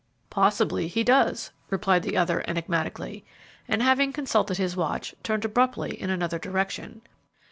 "Possibly he does," replied the other, enigmatically, and, having consulted his watch, turned abruptly in another direction.